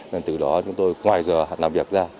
nên từ đó chúng tôi ngoài giờ làm việc ra